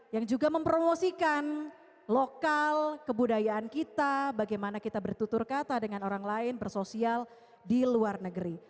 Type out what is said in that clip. yang juga mempromosikan lokal kebudayaan kita bagaimana kita bertutur kata dengan orang lain bersosial di luar negeri